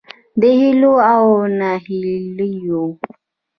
د هیلو او نهیلیو